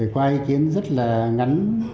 qua ý kiến rất là ngắn